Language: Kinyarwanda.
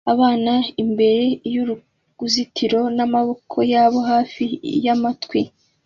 abana imbere y'uruzitiro n'amaboko yabo hafi y'amatwi